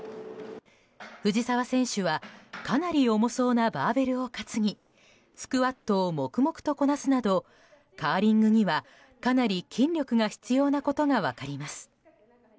藤澤選手はかなり重そうなバーベルを担ぎスクワットを黙々とこなすなどカーリングには、かなり筋力が必要なことが分かります。